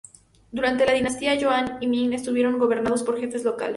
Durante las dinastías Yuan y Ming estuvieron gobernados por jefes locales.